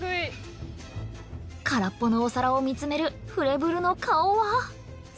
空っぽのお皿を見つめるフレブルの顔は。